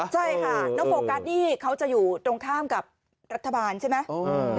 ใช่ค่ะแล้วโฟกัสนี่เขาจะอยู่ตรงข้ามกับรัฐบาลใช่ไหม